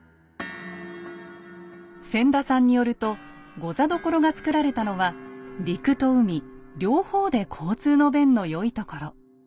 千田さんによると御座所が造られたのは陸と海両方で交通の便の良いところ。